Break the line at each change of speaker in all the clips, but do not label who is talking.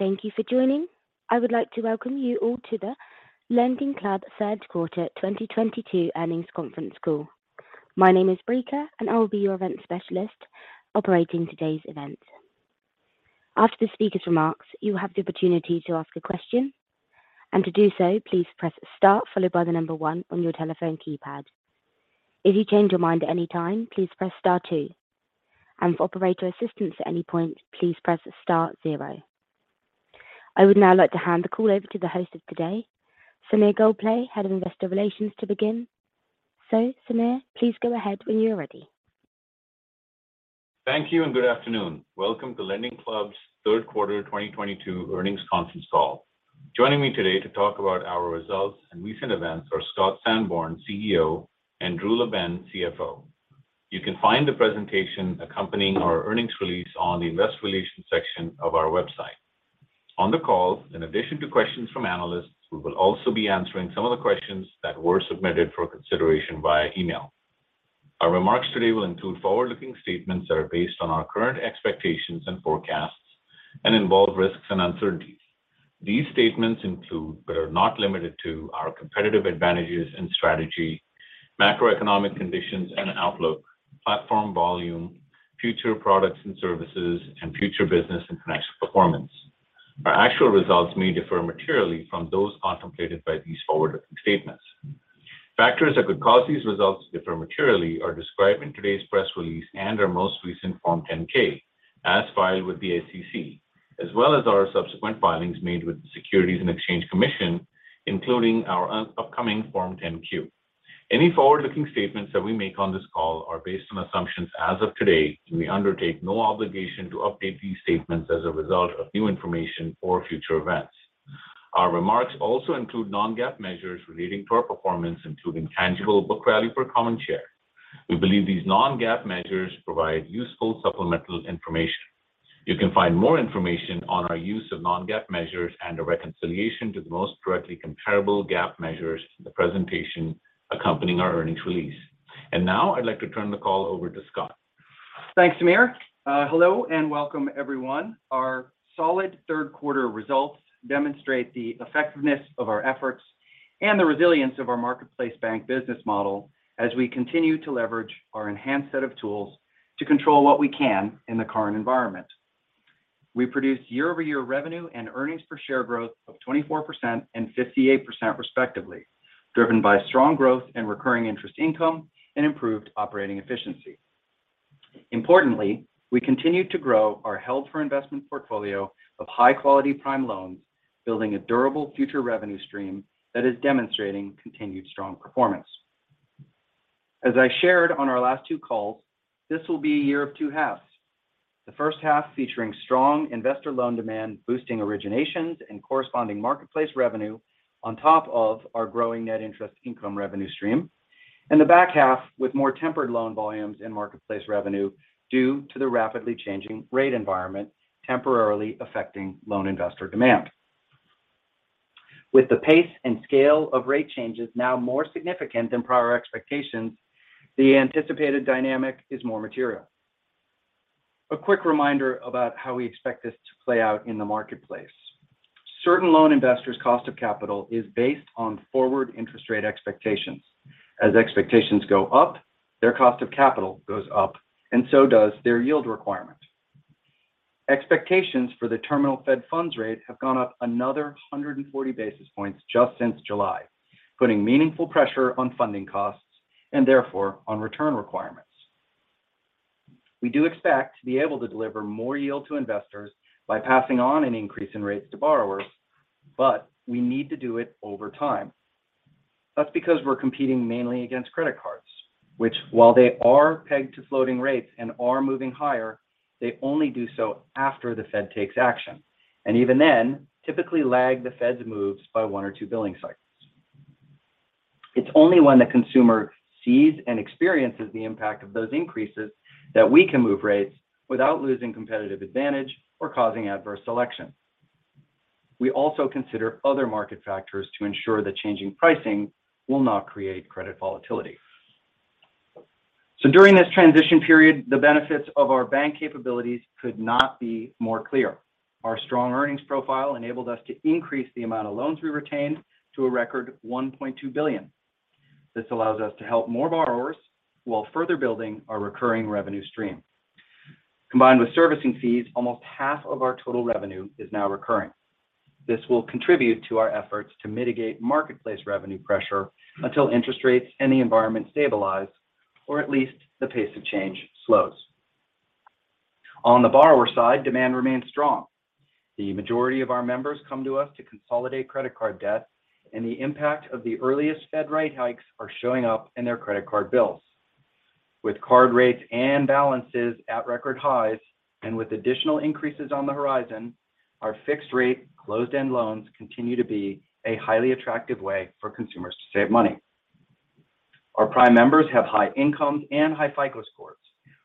Thank you for joining. I would like to Welcome you all to the LendingClub Third Quarter 2022 Earnings Conference Call. My name is Brica, and I will be your event specialist operating today's event. After the speaker's remarks, you'll have the opportunity to ask a question. To do so, please press star followed by the number one on your telephone keypad. If you change your mind at any time, please press star two. For operator assistance at any point, please press star zero. I would now like to hand the call over to the host of today, Sameer Gokhale, Head of Investor Relations, to begin. Sameer, please go ahead when you're ready.
Thank you and good afternoon. Welcome to LendingClub's Third Quarter 2022 Earnings Conference Call. Joining me today to talk about our results and recent events are Scott Sanborn, CEO, and Drew LaBenne, CFO. You can find the presentation accompanying our earnings release on the investor relations section of our website. On the call, in addition to questions from analysts, we will also be answering some of the questions that were submitted for consideration via email. Our remarks today will include forward-looking statements that are based on our current expectations and forecasts and involve risks and uncertainties. These statements include, but are not limited to, our competitive advantages and strategy, macroeconomic conditions and outlook, platform volume, future products and services, and future business and financial performance. Our actual results may differ materially from those contemplated by these forward-looking statements. Factors that could cause these results to differ materially are described in today's press release and our most recent Form 10-K, as filed with the SEC, as well as our subsequent filings made with the Securities and Exchange Commission, including our upcoming Form 10-Q. Any forward-looking statements that we make on this call are based on assumptions as of today, and we undertake no obligation to update these statements as a result of new information or future events. Our remarks also include non-GAAP measures relating to our performance, including tangible book value per common share. We believe these non-GAAP measures provide useful supplemental information. You can find more information on our use of non-GAAP measures and a reconciliation to the most directly comparable GAAP measures in the presentation accompanying our earnings release. Now I'd like to turn the call over to Scott.
Thanks, Sameer. Hello and welcome, everyone. Our solid third quarter results demonstrate the effectiveness of our efforts and the resilience of our marketplace bank business model as we continue to leverage our enhanced set of tools to control what we can in the current environment. We produced year-over-year revenue and earnings per share growth of 24% and 58% respectively, driven by strong growth in recurring interest income and improved operating efficiency. Importantly, we continued to grow our held for investment portfolio of high-quality prime loans, building a durable future revenue stream that is demonstrating continued strong performance. As I shared on our last two calls, this will be a year of two halves. The first half featuring strong investor loan demand boosting originations and corresponding marketplace revenue on top of our growing net interest income revenue stream. In the back half, with more tempered loan volumes and marketplace revenue due to the rapidly changing rate environment temporarily affecting loan investor demand. With the pace and scale of rate changes now more significant than prior expectations, the anticipated dynamic is more material. A quick reminder about how we expect this to play out in the marketplace. Certain loan investors' cost of capital is based on forward interest rate expectations. As expectations go up, their cost of capital goes up, and so does their yield requirement. Expectations for the terminal Fed funds rate have gone up another 140 basis points just since July, putting meaningful pressure on funding costs and therefore on return requirements. We do expect to be able to deliver more yield to investors by passing on an increase in rates to borrowers, but we need to do it over time. That's because we're competing mainly against credit cards, which while they are pegged to floating rates and are moving higher, they only do so after the Fed takes action, and even then typically lag the Fed's moves by 1 or 2 billing cycles. It's only when the consumer sees and experiences the impact of those increases that we can move rates without losing competitive advantage or causing adverse selection. We also consider other market factors to ensure the changing pricing will not create credit volatility. During this transition period, the benefits of our bank capabilities could not be more clear. Our strong earnings profile enabled us to increase the amount of loans we retained to a record $1.2 billion. This allows us to help more borrowers while further building our recurring revenue stream. Combined with servicing fees, almost half of our total revenue is now recurring. This will contribute to our efforts to mitigate marketplace revenue pressure until interest rates and the environment stabilize, or at least the pace of change slows. On the borrower side, demand remains strong. The majority of our members come to us to consolidate credit card debt, and the impact of the earliest Fed rate hikes are showing up in their credit card bills. With card rates and balances at record highs and with additional increases on the horizon, our fixed rate closed-end loans continue to be a highly attractive way for consumers to save money. Our prime members have high incomes and high FICO scores,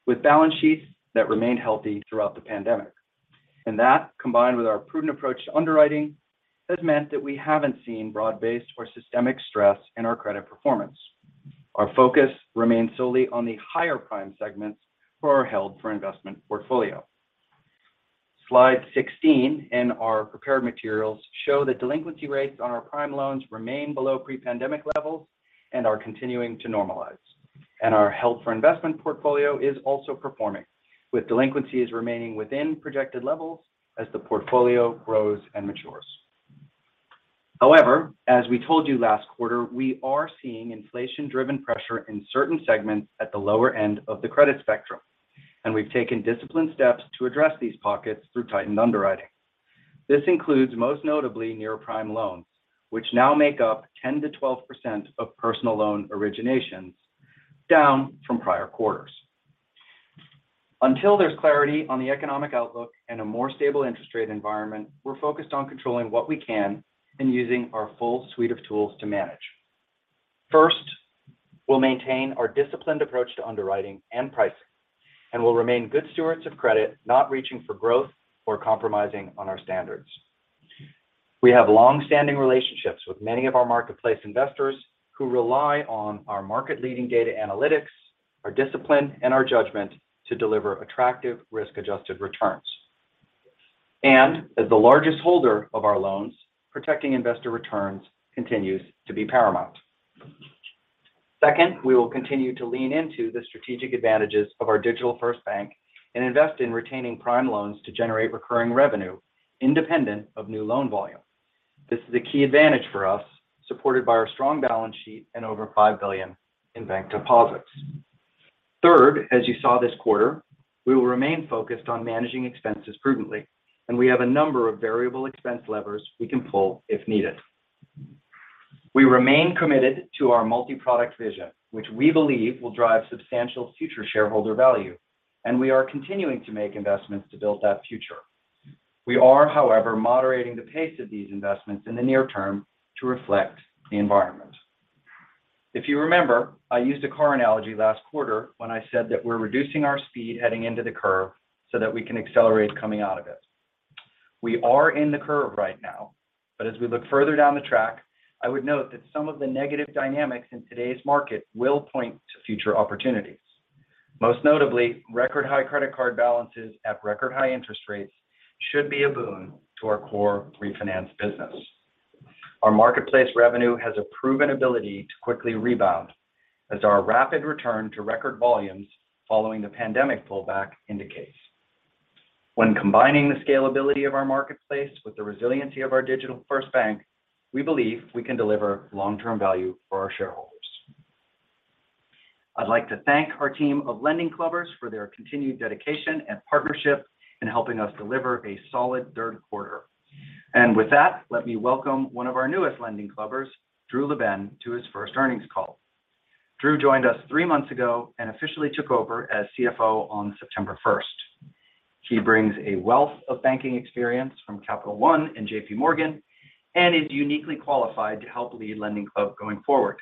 with balance sheets that remain healthy throughout the pandemic. That, combined with our prudent approach to underwriting, has meant that we haven't seen broad-based or systemic stress in our credit performance. Our focus remains solely on the higher prime segments for our held for investment portfolio. Slide 16 in our prepared materials show that delinquency rates on our prime loans remain below pre-pandemic levels and are continuing to normalize. Our held for investment portfolio is also performing, with delinquencies remaining within projected levels as the portfolio grows and matures. However, as we told you last quarter, we are seeing inflation-driven pressure in certain segments at the lower end of the credit spectrum, and we've taken disciplined steps to address these pockets through tightened underwriting. This includes most notably near-prime loans, which now make up 10%-12% of personal loan originations, down from prior quarters. Until there's clarity on the economic outlook and a more stable interest rate environment, we're focused on controlling what we can and using our full suite of tools to manage. First, we'll maintain our disciplined approach to underwriting and pricing, and we'll remain good stewards of credit, not reaching for growth or compromising on our standards. We have long-standing relationships with many of our marketplace investors who rely on our market-leading data analytics, our discipline, and our judgment to deliver attractive risk-adjusted returns. As the largest holder of our loans, protecting investor returns continues to be paramount. Second, we will continue to lean into the strategic advantages of our digital-first bank and invest in retaining prime loans to generate recurring revenue independent of new loan volume. This is a key advantage for us, supported by our strong balance sheet and over $5 billion in bank deposits. Third, as you saw this quarter, we will remain focused on managing expenses prudently, and we have a number of variable expense levers we can pull if needed. We remain committed to our multi-product vision, which we believe will drive substantial future shareholder value, and we are continuing to make investments to build that future. We are, however, moderating the pace of these investments in the near term to reflect the environment. If you remember, I used a car analogy last quarter when I said that we're reducing our speed heading into the curve so that we can accelerate coming out of it. We are in the curve right now, but as we look further down the track, I would note that some of the negative dynamics in today's market will point to future opportunities. Most notably, record high credit card balances at record high interest rates should be a boon to our core refinance business. Our marketplace revenue has a proven ability to quickly rebound as our rapid return to record volumes following the pandemic pullback indicates. When combining the scalability of our marketplace with the resiliency of our digital first bank, we believe we can deliver long-term value for our shareholders. I'd like to thank our team of LendingClubbers for their continued dedication and partnership in helping us deliver a solid third quarter. With that, let me welcome one of our newest LendingClubbers, Drew LaBenne, to his first earnings call. Drew joined us three months ago and officially took over as CFO on September first. He brings a wealth of banking experience from Capital One and JPMorgan and is uniquely qualified to help lead LendingClub going forward.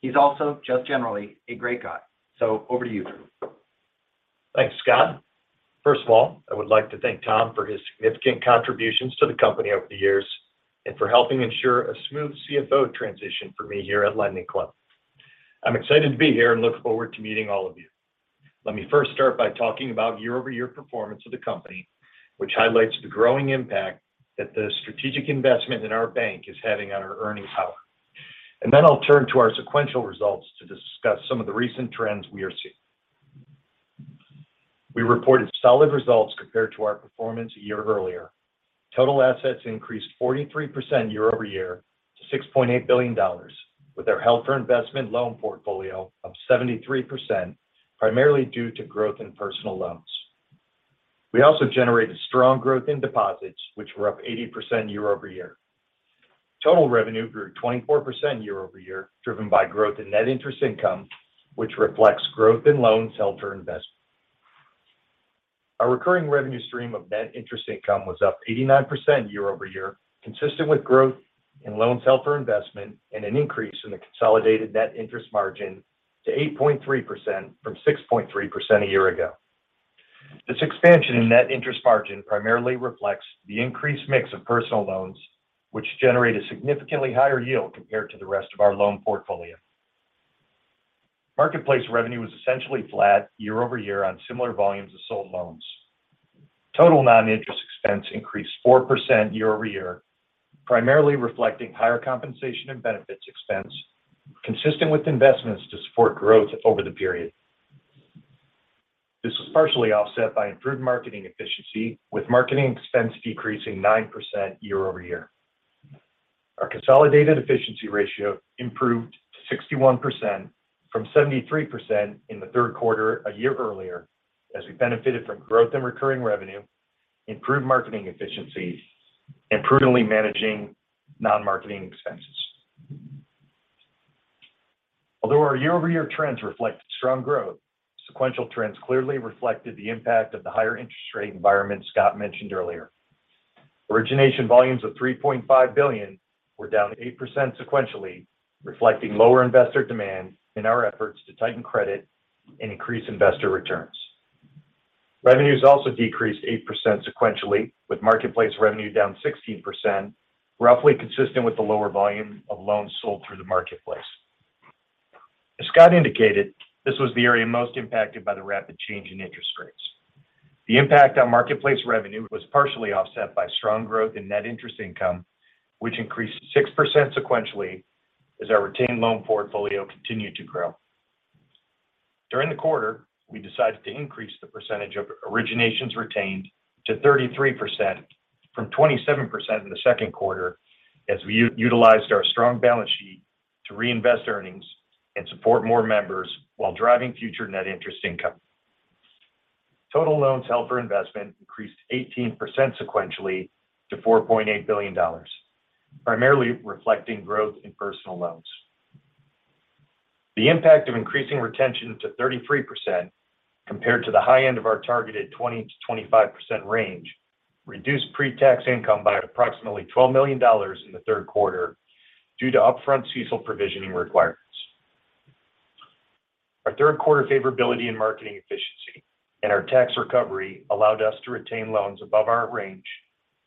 He's also just generally a great guy. Over to you, Drew.
Thanks, Scott. First of all, I would like to thank Tom for his significant contributions to the company over the years and for helping ensure a smooth CFO transition for me here at LendingClub. I'm excited to be here and look forward to meeting all of you. Let me first start by talking about year-over-year performance of the company, which highlights the growing impact that the strategic investment in our bank is having on our earnings power. Then I'll turn to our sequential results to discuss some of the recent trends we are seeing. We reported solid results compared to our performance a year earlier. Total assets increased 43% year-over-year to $6.8 billion, with our held for investment loan portfolio up 73%, primarily due to growth in personal loans. We also generated strong growth in deposits, which were up 80% year-over-year. Total revenue grew 24% year-over-year, driven by growth in net interest income, which reflects growth in loans held for investment. Our recurring revenue stream of net interest income was up 89% year-over-year, consistent with growth in loans held for investment and an increase in the consolidated net interest margin to 8.3% from 6.3% a year ago. This expansion in net interest margin primarily reflects the increased mix of personal loans, which generate a significantly higher yield compared to the rest of our loan portfolio. Marketplace revenue was essentially flat year-over-year on similar volumes of sold loans. Total non-interest expense increased 4% year-over-year, primarily reflecting higher compensation and benefits expense, consistent with investments to support growth over the period. This was partially offset by improved marketing efficiency, with marketing expense decreasing 9% year over year. Our consolidated efficiency ratio improved to 61% from 73% in the third quarter a year earlier as we benefited from growth in recurring revenue, improved marketing efficiency, and prudently managing non-marketing expenses. Although our year-over-year trends reflect strong growth, sequential trends clearly reflected the impact of the higher interest rate environment Scott mentioned earlier. Origination volumes of $3.5 billion were down 8% sequentially, reflecting lower investor demand and our efforts to tighten credit and increase investor returns. Revenues also decreased 8% sequentially with marketplace revenue down 16%, roughly consistent with the lower volume of loans sold through the marketplace. As Scott indicated, this was the area most impacted by the rapid change in interest rates. The impact on marketplace revenue was partially offset by strong growth in net interest income, which increased 6% sequentially as our retained loan portfolio continued to grow. During the quarter, we decided to increase the percentage of originations retained to 33% from 27% in the second quarter as we utilized our strong balance sheet to reinvest earnings and support more members while driving future net interest income. Total loans held for investment increased 18% sequentially to $4.8 billion, primarily reflecting growth in personal loans. The impact of increasing retention to 33% compared to the high end of our targeted 20%-25% range reduced pre-tax income by approximately $12 million in the third quarter due to upfront CECL provisioning requirements. Our third quarter favorability and marketing efficiency and our tax recovery allowed us to retain loans above our range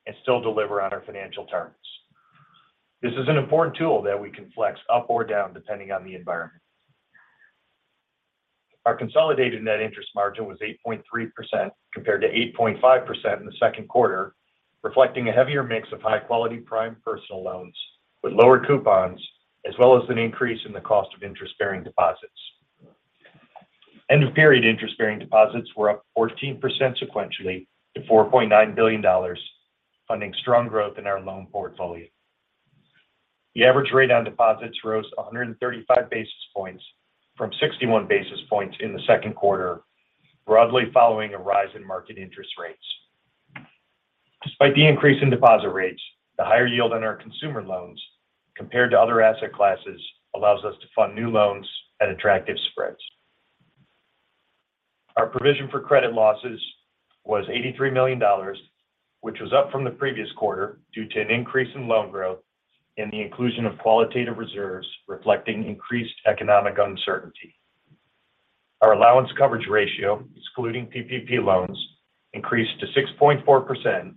and still deliver on our financial terms. This is an important tool that we can flex up or down depending on the environment. Our consolidated net interest margin was 8.3% compared to 8.5% in the second quarter, reflecting a heavier mix of high-quality prime personal loans with lower coupons, as well as an increase in the cost of interest-bearing deposits. End-of-period interest-bearing deposits were up 14% sequentially to $4.9 billion, funding strong growth in our loan portfolio. The average rate on deposits rose 135 basis points from 61 basis points in the second quarter, broadly following a rise in market interest rates. Despite the increase in deposit rates, the higher yield on our consumer loans compared to other asset classes allows us to fund new loans at attractive spreads. Our provision for credit losses was $83 million, which was up from the previous quarter due to an increase in loan growth and the inclusion of qualitative reserves reflecting increased economic uncertainty. Our allowance coverage ratio, excluding PPP loans, increased to 6.4%,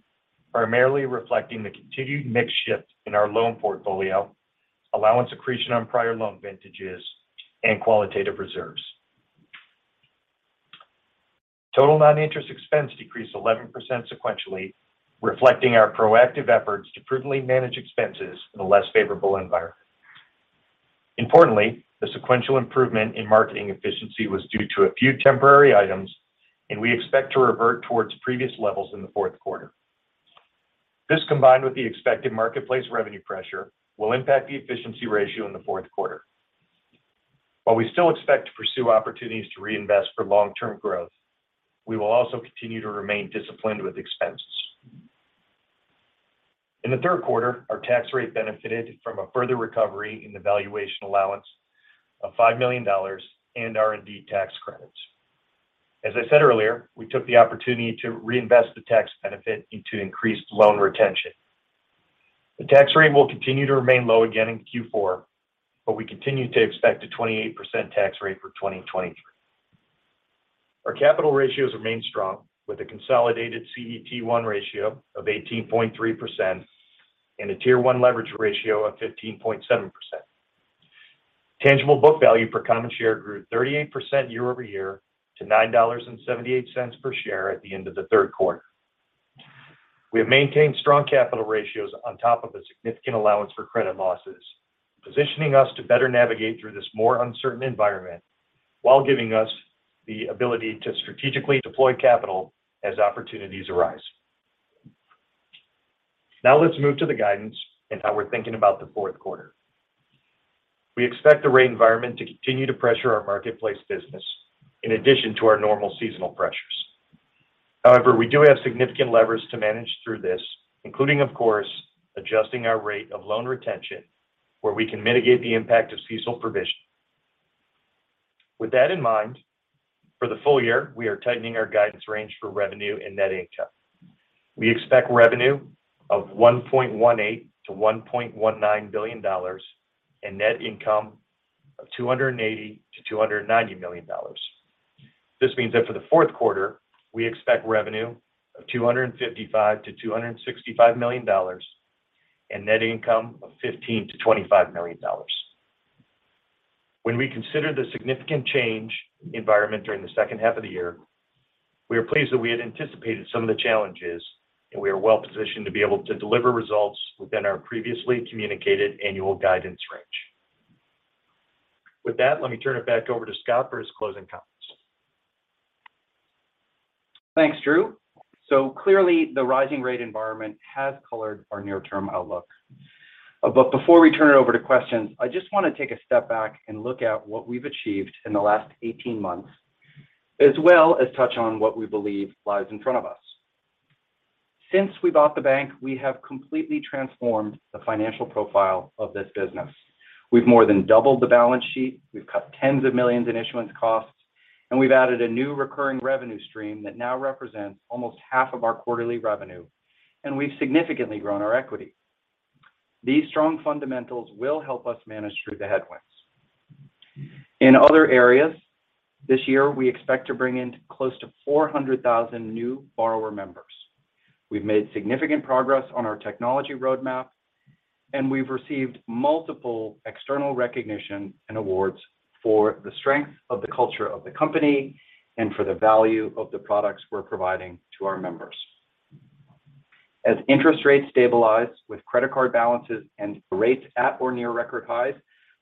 primarily reflecting the continued mix shift in our loan portfolio, allowance accretion on prior loan vintages, and qualitative reserves. Total non-interest expense decreased 11% sequentially, reflecting our proactive efforts to prudently manage expenses in a less favorable environment. Importantly, the sequential improvement in marketing efficiency was due to a few temporary items, and we expect to revert towards previous levels in the fourth quarter. This, combined with the expected marketplace revenue pressure, will impact the efficiency ratio in the fourth quarter. While we still expect to pursue opportunities to reinvest for long-term growth, we will also continue to remain disciplined with expenses. In the third quarter, our tax rate benefited from a further recovery in the valuation allowance of $5 million and R&D tax credits. As I said earlier, we took the opportunity to reinvest the tax benefit into increased loan retention. The tax rate will continue to remain low again in Q4, but we continue to expect a 28% tax rate for 2023. Our capital ratios remain strong with a consolidated CET1 ratio of 18.3% and a Tier 1 leverage ratio of 15.7%. Tangible book value per common share grew 38% year-over-year to $9.78 per share at the end of the third quarter. We have maintained strong capital ratios on top of a significant allowance for credit losses, positioning us to better navigate through this more uncertain environment while giving us the ability to strategically deploy capital as opportunities arise. Now let's move to the guidance and how we're thinking about the fourth quarter. We expect the rate environment to continue to pressure our marketplace business in addition to our normal seasonal pressures. However, we do have significant levers to manage through this, including, of course, adjusting our rate of loan retention where we can mitigate the impact of CECL provision. With that in mind, for the full year, we are tightening our guidance range for revenue and net income. We expect revenue of $1.18 billion-$1.19 billion and net income of $280 million-$290 million. This means that for the fourth quarter, we expect revenue of $255 million-$265 million and net income of $15 million-$25 million. When we consider the significant change in environment during the second half of the year, we are pleased that we had anticipated some of the challenges, and we are well-positioned to be able to deliver results within our previously communicated annual guidance range. With that, let me turn it back over to Scott for his closing comments.
Thanks, Drew. Clearly, the rising rate environment has colored our near-term outlook. Before we turn it over to questions, I just want to take a step back and look at what we've achieved in the last 18 months, as well as touch on what we believe lies in front of us. Since we bought the bank, we have completely transformed the financial profile of this business. We've more than doubled the balance sheet, we've cut $10's of millions in issuance costs, and we've added a new recurring revenue stream that now represents almost half of our quarterly revenue, and we've significantly grown our equity. These strong fundamentals will help us manage through the headwinds. In other areas, this year we expect to bring in close to 400,000 new borrower members. We've made significant progress on our technology roadmap, and we've received multiple external recognition and awards for the strength of the culture of the company and for the value of the products we're providing to our members. As interest rates stabilize with credit card balances and rates at or near record highs,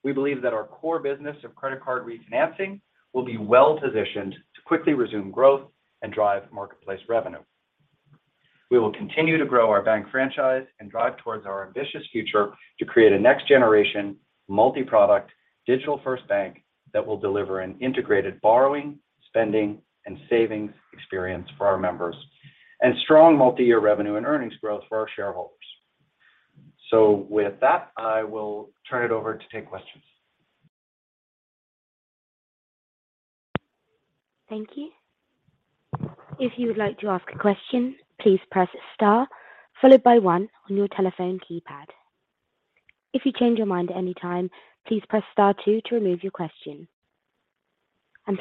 we believe that our core business of credit card refinancing will be well-positioned to quickly resume growth and drive marketplace revenue. We will continue to grow our bank franchise and drive towards our ambitious future to create a next-generation, multi-product, digital-first bank that will deliver an integrated borrowing, spending, and savings experience for our members and strong multi-year revenue and earnings growth for our shareholders. With that, I will turn it over to take questions.
Thank you. If you would like to ask a question, please press star followed by one on your telephone keypad. If you change your mind at any time, please press star two to remove your question.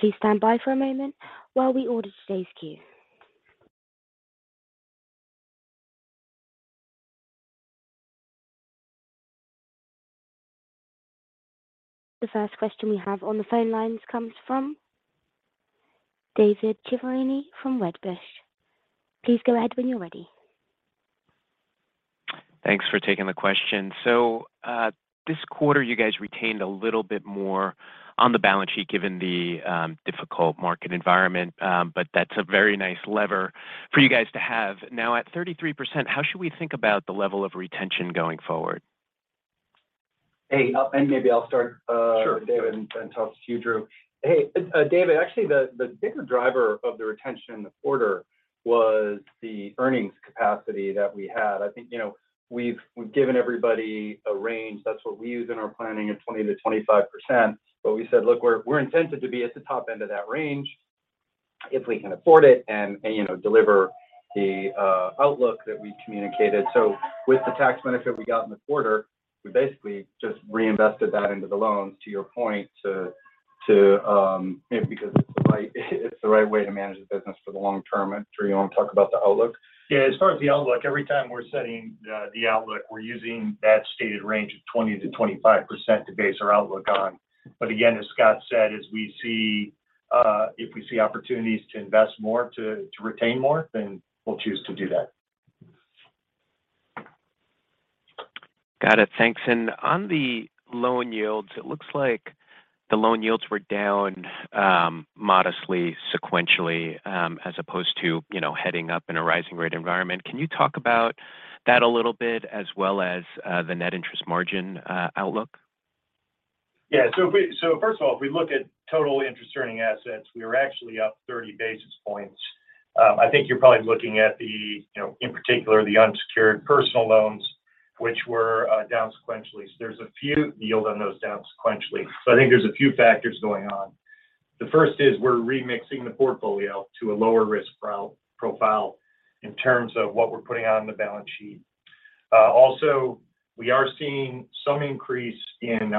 Please stand by for a moment while we order today's queue. The first question we have on the phone lines comes from David Chiaverini from Wedbush. Please go ahead when you're ready.
Thanks for taking the question. This quarter, you guys retained a little bit more on the balance sheet given the difficult market environment, but that's a very nice lever for you guys to have. Now at 33%, how should we think about the level of retention going forward?
Hey, maybe I'll start.
Sure.
David, and then talk to you, Drew. Hey, David, actually the bigger driver of the retention in the quarter was the earnings capacity that we had. I think, you know, we've given everybody a range. That's what we use in our planning of 20%-25%. We said, look, we're intended to be at the top end of that range if we can afford it and, you know, deliver the outlook that we communicated. With the tax benefit we got in the quarter, we basically just reinvested that into the loans, to your point, you know, because it's the right way to manage the business for the long term. Drew, you want to talk about the outlook?
Yeah. As far as the outlook, every time we're setting the outlook, we're using that stated range of 20%-25% to base our outlook on. Again, as Scott said, as we see, if we see opportunities to invest more, to retain more, then we'll choose to do that.
Got it. Thanks. On the loan yields, it looks like the loan yields were down, modestly, sequentially, as opposed to, you know, heading up in a rising rate environment. Can you talk about that a little bit as well as, the net interest margin, outlook?
First of all, if we look at total interest-earning assets, we were actually up 30 basis points. I think you're probably looking at the, you know, in particular the unsecured personal loans, which were down sequentially. The yield on those was down sequentially. I think there's a few factors going on. The first is we're remixing the portfolio to a lower-risk profile in terms of what we're putting out on the balance sheet. Also, we are seeing some increase in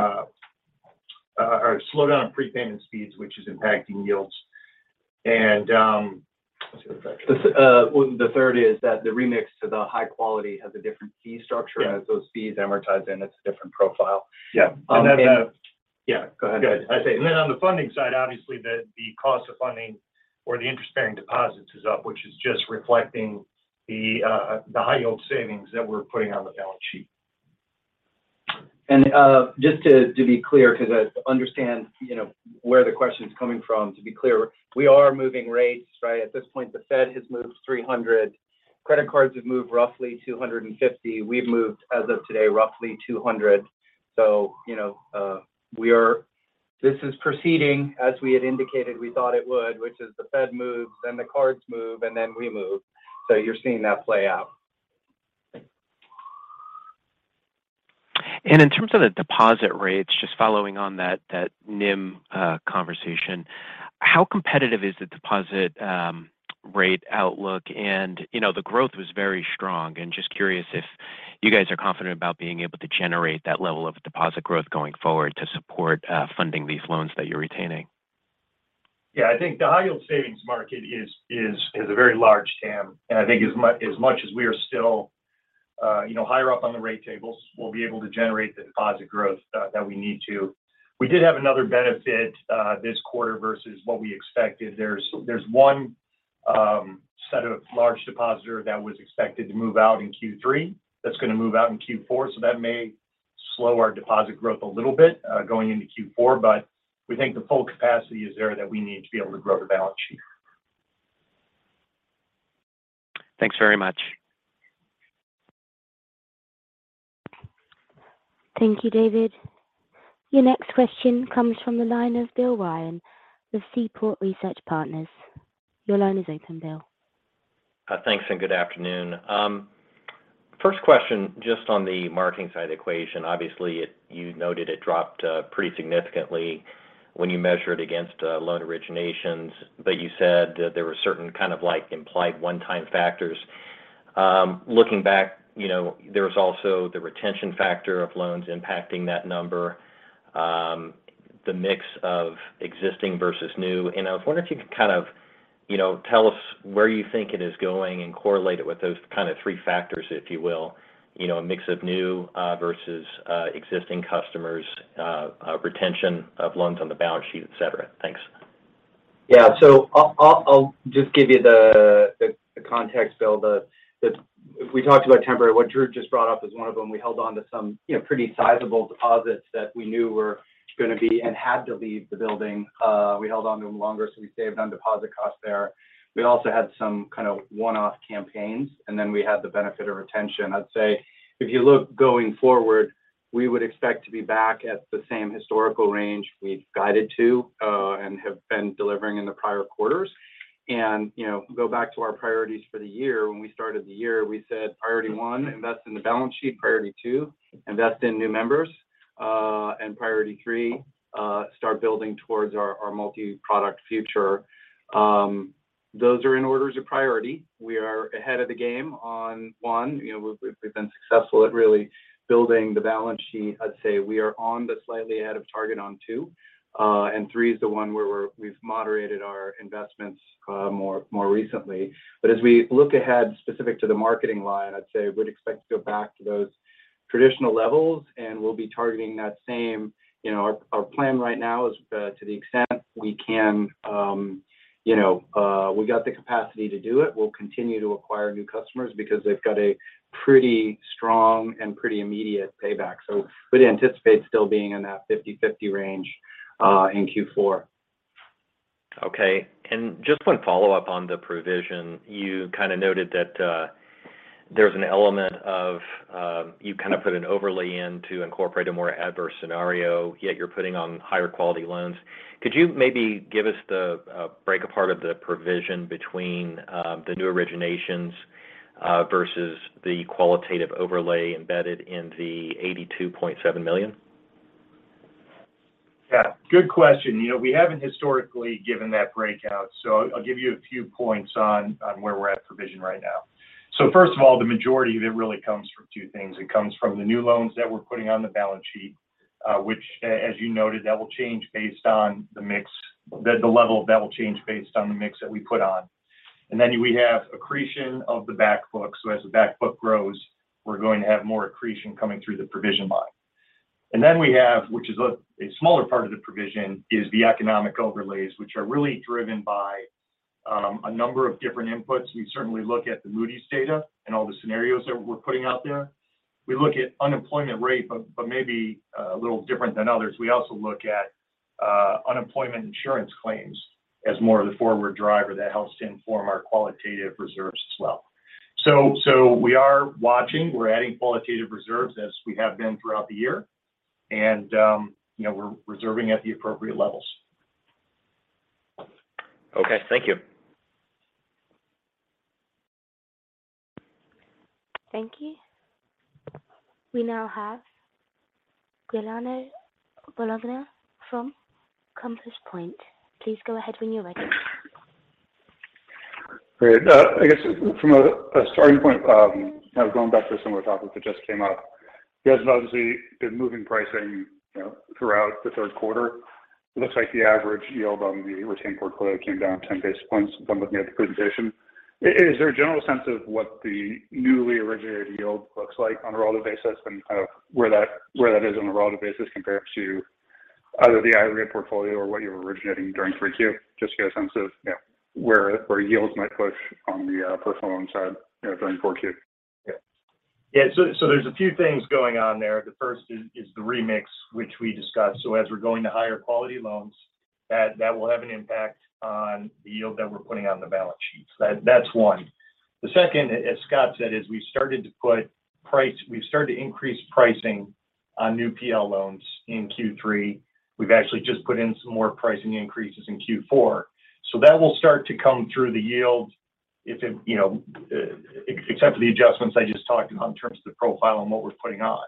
slowdown in prepayment speeds, which is impacting yields.
Let's see what the third.
The third is that the remix to the high quality has a different fee structure.
Yeah.
As those fees amortize in, it's a different profile.
Yeah.
Um, And then the...
Yeah, go ahead.
Go ahead. I was saying, and then on the funding side, obviously the cost of funding or the interest-bearing deposits is up, which is just reflecting the high-yield savings that we're putting on the balance sheet.
Just to be clear, because I understand, you know, where the question is coming from. To be clear, we are moving rates, right? At this point, the Fed has moved 300. Credit cards have moved roughly 250. We've moved, as of today, roughly 200. You know, this is proceeding as we had indicated we thought it would, which is the Fed moves, then the cards move, and then we move. You're seeing that play out.
In terms of the deposit rates, just following on that NIM conversation, how competitive is the deposit rate outlook? You know, the growth was very strong, and just curious if you guys are confident about being able to generate that level of deposit growth going forward to support funding these loans that you're retaining.
Yeah. I think the High-Yield Savings market is a very large TAM, and I think as much as we are still, you know, higher up on the rate tables, we'll be able to generate the deposit growth that we need to. We did have another benefit this quarter versus what we expected. There's one set of large depositor that was expected to move out in Q3 that's going to move out in Q4, so that may slow our deposit growth a little bit going into Q4. But we think the full capacity is there that we need to be able to grow the balance sheet.
Thanks very much.
Thank you, David. Your next question comes from the line of Bill Ryan with Seaport Research Partners. Your line is open, Bill.
Thanks and good afternoon. First question just on the marketing side equation. Obviously, you noted it dropped pretty significantly. When you measure it against loan originations, but you said that there were certain kind of like implied one-time factors. Looking back, you know, there was also the retention factor of loans impacting that number, the mix of existing versus new. I was wondering if you could kind of, you know, tell us where you think it is going and correlate it with those kind of three factors, if you will. You know, a mix of new versus existing customers, retention of loans on the balance sheet, etc. Thanks.
Yeah. I'll just give you the context, Bill. If we talked about temporary, what Drew just brought up is one of them. We held on to some, you know, pretty sizable deposits that we knew were gonna leave and had to leave the building. We held onto them longer, so we saved on deposit costs there. We also had some kind of one-off campaigns, and then we had the benefit of retention. I'd say if you look going forward, we would expect to be back at the same historical range we've guided to, and have been delivering in the prior quarters. You know, go back to our priorities for the year. When we started the year, we said, priority one, invest in the balance sheet. Priority two, invest in new members. Priority three, start building towards our multi-product future. Those are in order as a priority. We are ahead of the game on one. We've been successful at really building the balance sheet. I'd say we are on but slightly ahead of target on two. Three is the one where we've moderated our investments more recently. As we look ahead specific to the marketing line, I'd say would expect to go back to those traditional levels, and we'll be targeting that same. Our plan right now is, to the extent we can, we got the capacity to do it, we'll continue to acquire new customers because they've got a pretty strong and pretty immediate payback. Would anticipate still being in that 50/50 range in Q4.
Okay. Just one follow-up on the provision. You kind of noted that, there's an element of, you kind of put an overlay in to incorporate a more adverse scenario, yet you're putting on higher quality loans. Could you maybe give us the breakdown of the provision between the new originations versus the qualitative overlay embedded in the $82.7 million?
Yeah, good question. You know, we haven't historically given that breakout, so I'll give you a few points on where we're at with provision right now. First of all, the majority of it really comes from two things. It comes from the new loans that we're putting on the balance sheet, which as you noted, that will change based on the mix. The level of that will change based on the mix that we put on. Then we have accretion of the back book. As the back book grows, we're going to have more accretion coming through the provision line. Then we have, which is a smaller part of the provision, is the economic overlays, which are really driven by a number of different inputs. We certainly look at the Moody's data and all the scenarios that we're putting out there. We look at unemployment rate, but maybe a little different than others. We also look at unemployment insurance claims as more of the forward driver that helps to inform our qualitative reserves as well. We are watching. We're adding qualitative reserves as we have been throughout the year, and you know, we're reserving at the appropriate levels.
Okay, thank you.
Thank you. We now have Giuliano Bologna from Compass Point. Please go ahead when you're ready.
Great. I guess from a starting point, kind of going back to a similar topic that just came up. You guys have obviously been moving pricing, you know, throughout the third quarter. It looks like the average yield on the retained portfolio came down 10 basis points from looking at the presentation. Is there a general sense of what the newly originated yield looks like on a relative basis and kind of where that is on a relative basis compared to either the HFI portfolio or what you were originating during 3Q? Just to get a sense of, you know, where yields might push on the personal loan side, you know, during 4Q.
Yeah. There's a few things going on there. The first is the remix, which we discussed. As we're going to higher quality loans, that will have an impact on the yield that we're putting on the balance sheet. That's one. The second, as Scott said, is we've started to increase pricing on new PL loans in Q3. We've actually just put in some more pricing increases in Q4. That will start to come through the yield except for the adjustments I just talked on in terms of the profile and what we're putting on.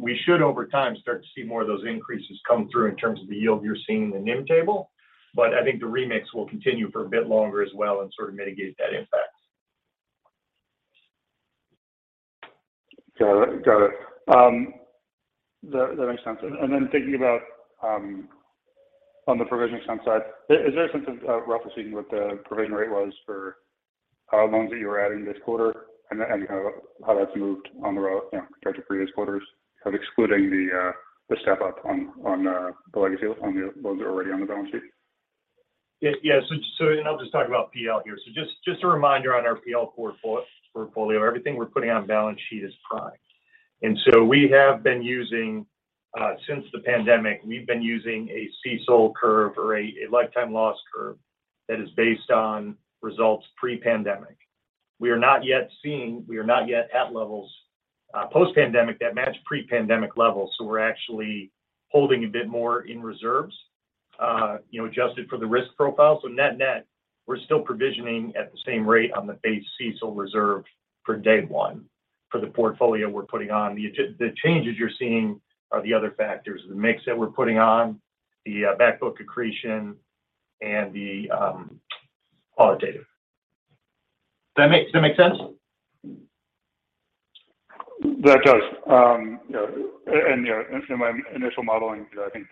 We should over time start to see more of those increases come through in terms of the yield you're seeing in the NIM table. I think the remix will continue for a bit longer as well and sort of mitigate that impact.
Got it. That makes sense. Then thinking about on the provision expense side, is there a sense of, roughly speaking, what the provision rate was for loans that you were adding this quarter and kind of how that's moved on the, you know, compared to previous quarters, kind of excluding the step up on the legacy loans that are already on the balance sheet?
Yeah. I'll just talk about PL here. Just a reminder on our PL portfolio, everything we're putting on balance sheet is primed. We have been using, since the pandemic, we've been using a CECL curve or a lifetime loss curve that is based on results pre-pandemic. We are not yet at levels, post-pandemic that match pre-pandemic levels, so we're actually holding a bit more in reserves. You know, adjusted for the risk profile. Net-net, we're still provisioning at the same rate on the base CECL reserve for day one for the portfolio we're putting on. The changes you're seeing are the other factors, the mix that we're putting on, the back book accretion and the qualitative. Does that make sense?
That does. You know, and, you know, in my initial modeling, you know, I think,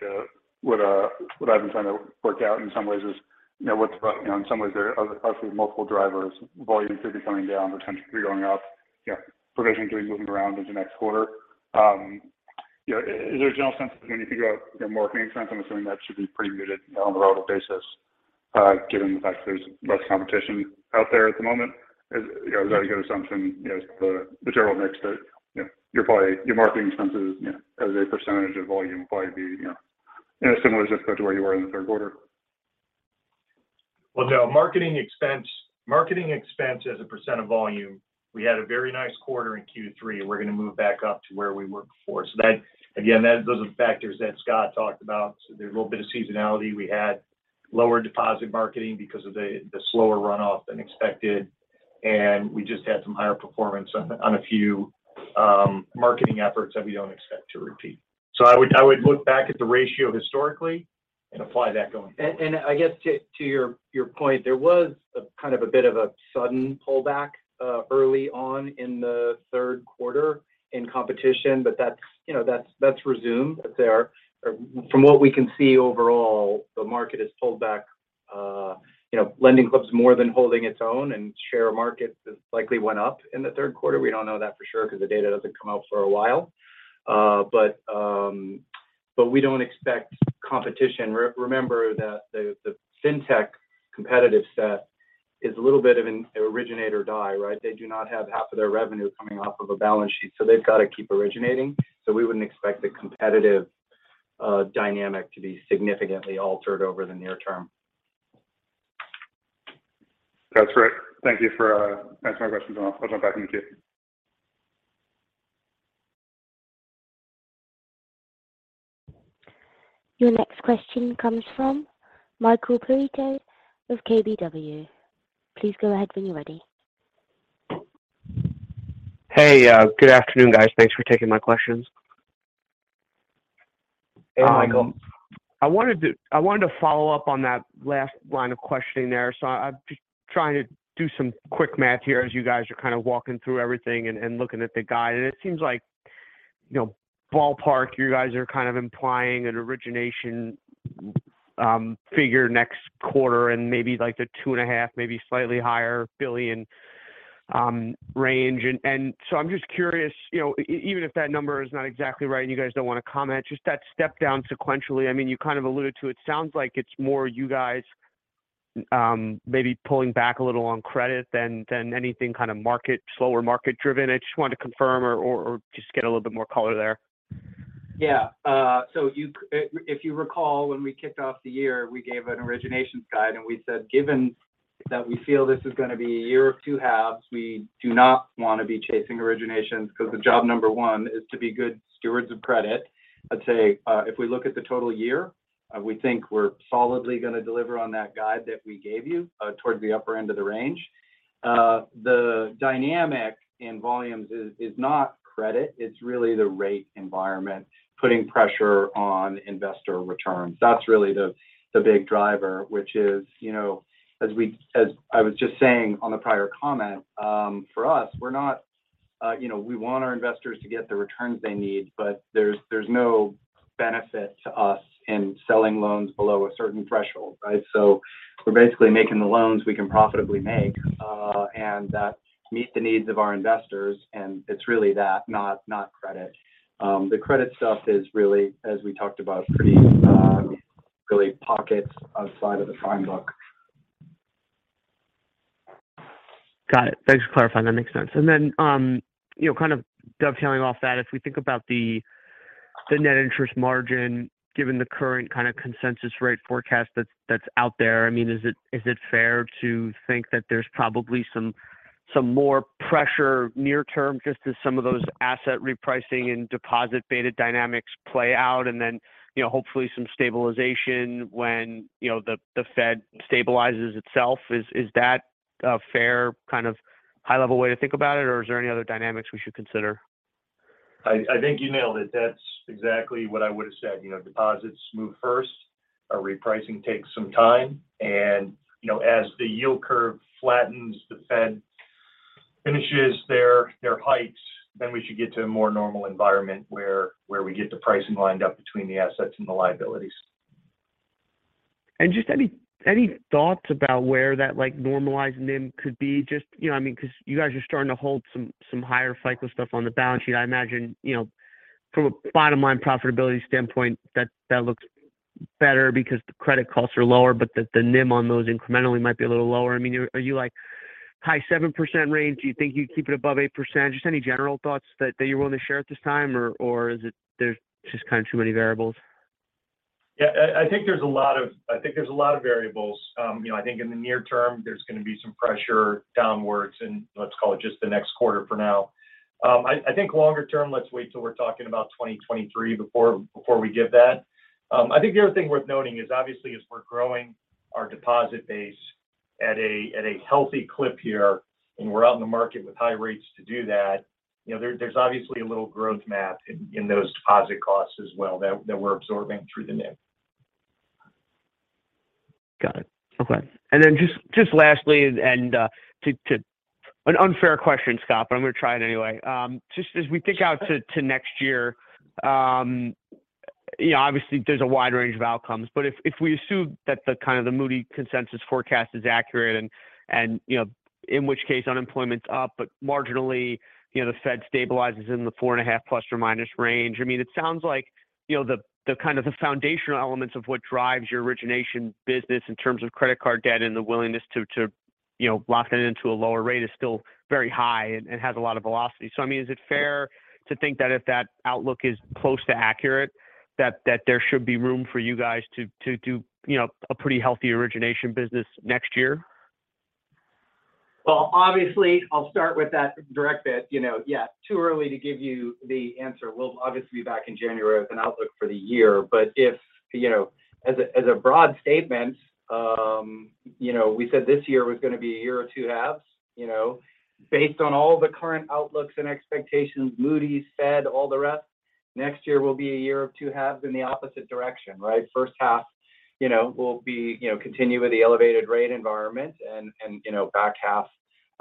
what I've been trying to work out in some ways is, you know, what's the, you know, in some ways there are possibly multiple drivers. Volume could be coming down. Retention could be going up. You know, provisioning could be moving around into next quarter. You know, is there a general sense of when you figure out your marketing expense? I'm assuming that should be pretty muted on a relative basis, given the fact there's less competition out there at the moment. Is that a good assumption? You know, the general mix that, you know, your marketing expenses, you know, as a percentage of volume will probably be, you know, in a similar zip code to where you were in the third quarter.
Well, no, marketing expense, marketing expense as a % of volume, we had a very nice quarter in Q3. We're gonna move back up to where we were before. That, again, those are factors that Scott talked about. There's a little bit of seasonality. We had lower deposit marketing because of the slower runoff than expected, and we just had some higher performance on a few marketing efforts that we don't expect to repeat. I would look back at the ratio historically and apply that going forward.
I guess to your point, there was a kind of a bit of a sudden pullback early on in the third quarter in competition, but that's, you know, that's resumed. There are. From what we can see overall, the market has pulled back. LendingClub's more than holding its own and share of market has likely went up in the third quarter. We don't know that for sure because the data doesn't come out for a while. We don't expect competition. Remember that the fintech competitive set is a little bit of an originate or die, right? They do not have half of their revenue coming off of a balance sheet, so they've got to keep originating. We wouldn't expect the competitive dynamic to be significantly altered over the near term.
That's great. Thank you for answering my questions, and I'll jump back in the queue.
Your next question comes from Michael Perito of KBW. Please go ahead when you're ready.
Hey, good afternoon, guys. Thanks for taking my questions.
Hey, Michael.
I wanted to follow up on that last line of questioning there. I'm just trying to do some quick math here as you guys are kind of walking through everything and looking at the guide. It seems like, you know, ballpark, you guys are kind of implying an origination figure next quarter and maybe like a $2.5 billion, maybe slightly higher, range. I'm just curious, you know, even if that number is not exactly right and you guys don't want to comment, just that step down sequentially. I mean, you kind of alluded to it. Sounds like it's more you guys maybe pulling back a little on credit than anything kind of market, slower market driven. I just wanted to confirm or just get a little bit more color there.
If you recall when we kicked off the year, we gave an origination guide and we said, given that we feel this is gonna be a year of two halves, we do not want to be chasing originations because the job number one is to be good stewards of credit. I'd say, if we look at the total year, we think we're solidly gonna deliver on that guide that we gave you, towards the upper end of the range. The dynamic in volumes is not credit, it's really the rate environment putting pressure on investor returns. That's really the big driver, which is, you know, as I was just saying on the prior comment, for us, we're not, you know, we want our investors to get the returns they need, but there's no benefit to us in selling loans below a certain threshold, right? So we're basically making the loans we can profitably make, and that meet the needs of our investors, and it's really that, not credit. The credit stuff is really, as we talked about, primarily pockets outside of the prime book.
Got it. Thanks for clarifying. That makes sense. You know, kind of dovetailing off that, if we think about the net interest margin, given the current kind of consensus rate forecast that's out there, I mean, is it fair to think that there's probably some more pressure near term just as some of those asset repricing and deposit beta dynamics play out and then, you know, hopefully some stabilization when, you know, the Fed stabilizes itself? Is that a fair kind of high level way to think about it or is there any other dynamics we should consider?
I think you nailed it. That's exactly what I would've said. You know, deposits move first, a repricing takes some time, and, you know, as the yield curve flattens, the Fed finishes their hikes, then we should get to a more normal environment where we get the pricing lined up between the assets and the liabilities.
Just any thoughts about where that, like, normalized NIM could be? Just, you know what I mean? Because you guys are starting to hold some higher cycle stuff on the balance sheet. I imagine, you know, from a bottom line profitability standpoint that looks better because the credit costs are lower, but the NIM on those incrementally might be a little lower. I mean, are you like high 7% range? Do you think you'd keep it above 8%? Just any general thoughts that you're willing to share at this time or is it there's just kind of too many variables?
Yeah. I think there's a lot of variables. You know, I think in the near term there's gonna be some pressure downwards in, let's call it just the next quarter for now. I think longer term, let's wait till we're talking about 2023 before we give that. I think the other thing worth noting is obviously as we're growing our deposit base. At a healthy clip here, and we're out in the market with high rates to do that. You know, there's obviously a little growth math in those deposit costs as well that we're absorbing through the NIM.
Got it. Okay. Then just lastly and to an unfair question, Scott, but I'm gonna try it anyway. Just as we think out to next year, you know, obviously there's a wide range of outcomes. If we assume that the kind of the Moody's consensus forecast is accurate and you know, in which case unemployment's up, but marginally, you know, the Fed stabilizes in the 4.5 ± range. I mean, it sounds like, you know, the kind of the foundational elements of what drives your origination business in terms of credit card debt and the willingness to you know, lock that into a lower rate is still very high and has a lot of velocity. I mean, is it fair to think that if that outlook is close to accurate, that there should be room for you guys to do, you know, a pretty healthy origination business next year?
Well, obviously I'll start with that direct bit. You know, yeah, too early to give you the answer. We'll obviously be back in January with an outlook for the year. If you know, as a broad statement, you know, we said this year was gonna be a year of two halves, you know. Based on all the current outlooks and expectations, Moody's said all the rest. Next year will be a year of two halves in the opposite direction, right? First half, you know, will be, you know, continue with the elevated rate environment and, you know, back half,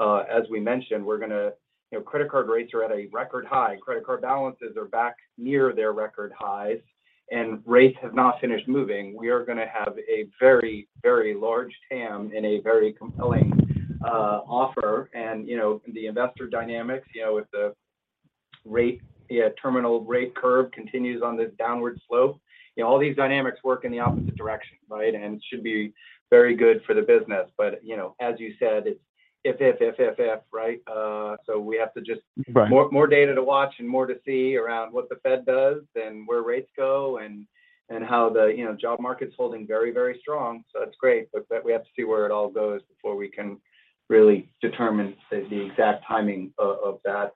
as we mentioned, we're gonna, you know. Credit card rates are at a record high. Credit card balances are back near their record highs, and rates have not finished moving. We are gonna have a very, very large TAM and a very compelling offer. You know, the investor dynamics, you know, if the rate, yeah, terminal rate curve continues on this downward slope, you know, all these dynamics work in the opposite direction, right? Should be very good for the business. You know, as you said, it's if, right? We have to just-
Right.
More data to watch and more to see around what the Fed does and where rates go and how the, you know, job market's holding very, very strong. That's great, but we have to see where it all goes before we can really determine the exact timing of that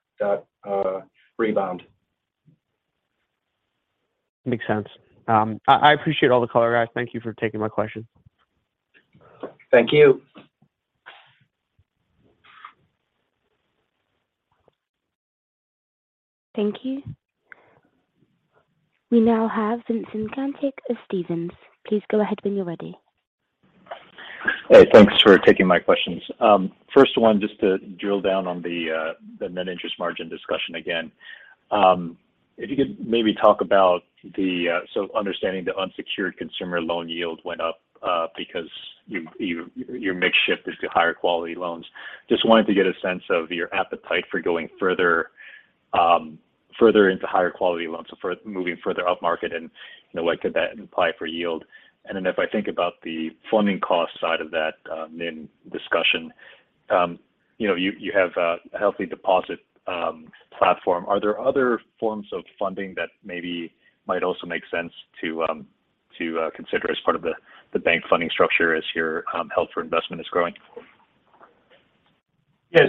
rebound.
Makes sense. I appreciate all the color, guys. Thank you for taking my question.
Thank you.
Thank you. We now have Vincent Caintic of Stephens. Please go ahead when you're ready.
Hey, thanks for taking my questions. First one, just to drill down on the net interest margin discussion again. If you could maybe talk about so understanding the unsecured consumer loan yield went up because your mix shifted to higher quality loans. Just wanted to get a sense of your appetite for going further into higher quality loans, moving further upmarket and, you know, what could that imply for yield. Then if I think about the funding cost side of that, NIM discussion, you know, you have a healthy deposit platform. Are there other forms of funding that maybe might also make sense to consider as part of the bank funding structure as your held for investment is growing?
Yeah.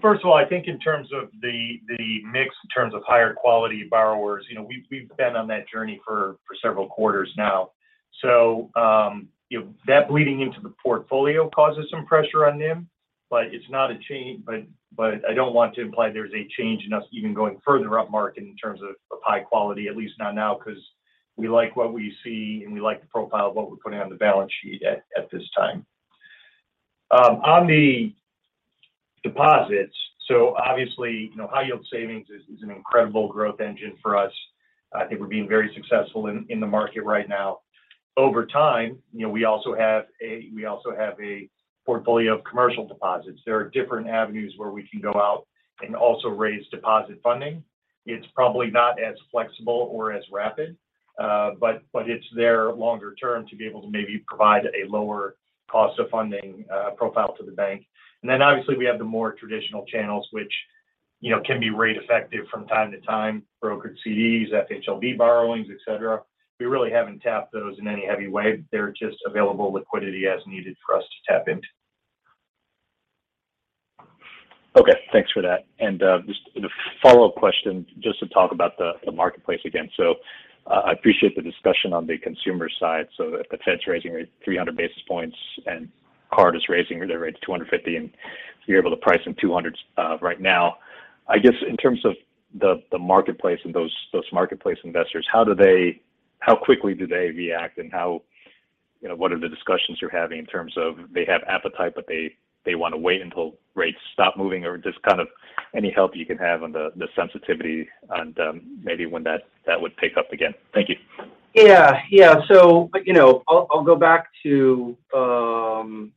First of all, I think in terms of the mix, in terms of higher quality borrowers, you know, we've been on that journey for several quarters now. You know, that bleeding into the portfolio causes some pressure on NIM, but it's not a change, but I don't want to imply there's a change in us even going further upmarket in terms of high quality, at least not now, 'cause we like what we see, and we like the profile of what we're putting on the balance sheet at this time. On the deposits, obviously, you know, High-Yield Savings is an incredible growth engine for us. I think we're being very successful in the market right now. Over time, you know, we also have a portfolio of commercial deposits. There are different avenues where we can go out and also raise deposit funding. It's probably not as flexible or as rapid, but it's there longer term to be able to maybe provide a lower cost of funding profile to the bank. Then obviously we have the more traditional channels, which, you know, can be rate effective from time to time, brokered CDs, FHLB borrowings, et cetera. We really haven't tapped those in any heavy way. They're just available liquidity as needed for us to tap into.
Okay, thanks for that. Just the follow-up question just to talk about the marketplace again. I appreciate the discussion on the consumer side. If the Fed's raising rate 300 basis points and Capital One is raising their rate to 250, and you're able to price in 200 right now. I guess in terms of the marketplace and those marketplace investors, how quickly do they react and how, you know, what are the discussions you're having in terms of they have appetite, but they wanna wait until rates stop moving or just kind of any help you can have on the sensitivity and maybe when that would pick up again? Thank you.
Yeah. Yeah. You know, I'll go back to, you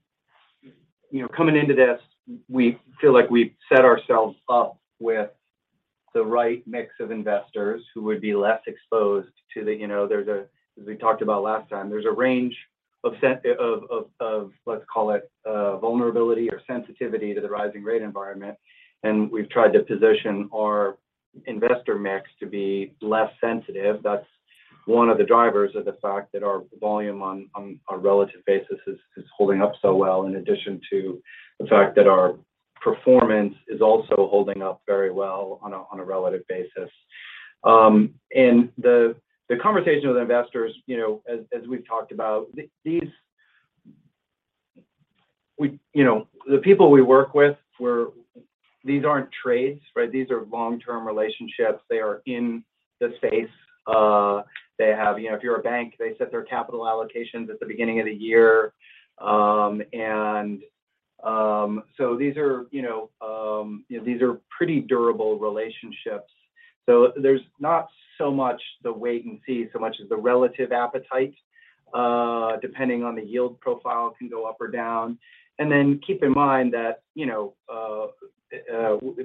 know, coming into this, we feel like we've set ourselves up with the right mix of investors who would be less exposed to the, you know, there's a range of, let's call it, vulnerability or sensitivity to the rising rate environment, and we've tried to position our investor mix to be less sensitive. That's one of the drivers of the fact that our volume on a relative basis is holding up so well in addition to the fact that our Performance is also holding up very well on a relative basis. The conversation with investors, you know, as we've talked about, the people we work with, these aren't trades, right? These are long-term relationships. They are in the space. You know, if you're a bank, they set their capital allocations at the beginning of the year. These are, you know, pretty durable relationships. There's not so much the wait and see, so much as the relative appetite, depending on the yield profile, it can go up or down. Keep in mind that, you know,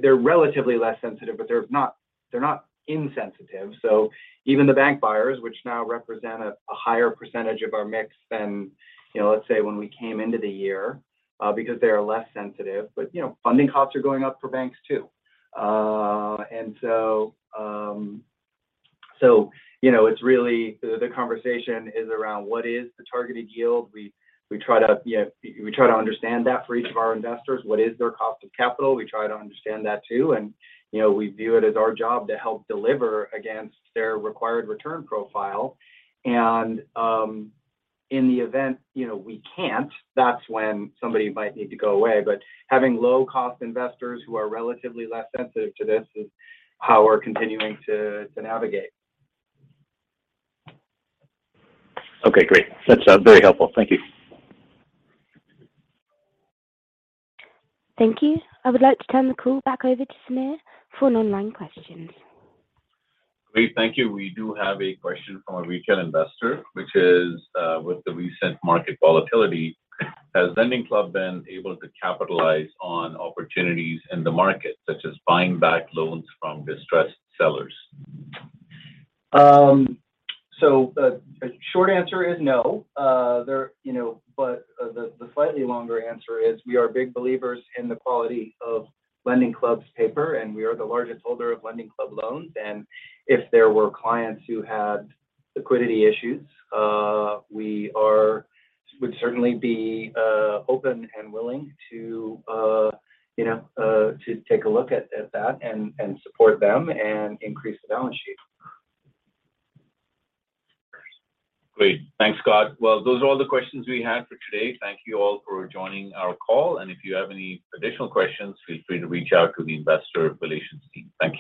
they're relatively less sensitive, but they're not insensitive. Even the bank buyers, which now represent a higher percentage of our mix than, you know, let's say when we came into the year, because they are less sensitive. Funding costs are going up for banks, too. It's really the conversation is around what is the targeted yield. We try to understand that for each of our investors. What is their cost of capital? We try to understand that, too, and, you know, we view it as our job to help deliver against their required return profile. In the event we can't, that's when somebody might need to go away. Having low cost investors who are relatively less sensitive to this is how we're continuing to navigate.
Okay, great. That's very helpful. Thank you.
Thank you. I would like to turn the call back over to Sameer for online questions.
Great. Thank you. We do have a question from a retail investor, which is, with the recent market volatility, has LendingClub been able to capitalize on opportunities in the market, such as buying back loans from distressed sellers?
Short answer is no. You know, but the slightly longer answer is we are big believers in the quality of LendingClub's paper, and we are the largest holder of LendingClub loans. If there were clients who had liquidity issues, we would certainly be open and willing to you know to take a look at that and support them and increase the balance sheet.
Great. Thanks, Scott. Well, those are all the questions we have for today. Thank you all for joining our call. If you have any additional questions, feel free to reach out to the investor relations team. Thank you.